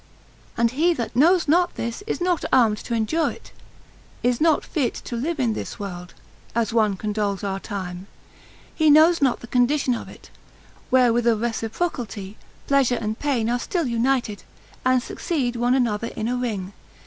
And he that knows not this is not armed to endure it, is not fit to live in this world (as one condoles our time), he knows not the condition of it, where with a reciprocalty, pleasure and pain are still united, and succeed one another in a ring.